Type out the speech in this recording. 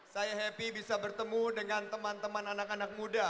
saya happy bisa bertemu dengan teman teman anak anak muda